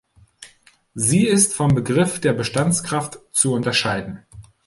Sie ist vom Begriff der Bestandskraft zu unterscheiden.